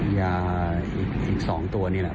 ยาอีก๒ตัวนี่แหละ